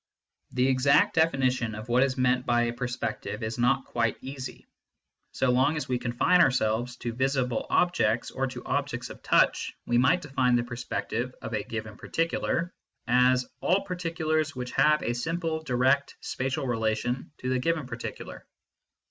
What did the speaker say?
The exact definition of what is meant by a perspective is not quite easy. So long as we confine ourselves to visible objects or to objects of touch we might define the perspective of a given particular as " all particulars which have a simple (direct) spatial relation to the given par ticular."